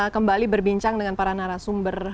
kembali berbincang dengan para narasumber